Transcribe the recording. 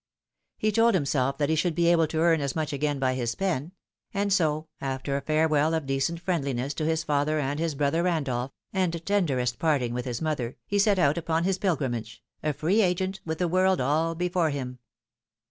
He told himself that he should be able to earn as much again by his pen ; and BO, after a farewell of decent friendliness to his father and his brother Eandolph, and tenderest parting with his mother, he set out upon his pilgrimage, a free agent, with the world all before him.